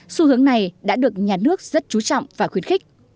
xu hướng này đã được nhà nước rất chú trọng và khuyến khích